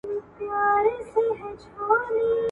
د ښځي چې له مېړه سره راستي وي، ژوند یې ښه وي ,